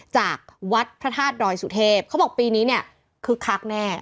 จากวัดพระทาศน์ดอยสุเทพพี่นี้คึกคักแน่